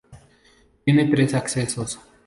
Tiene tres accesos.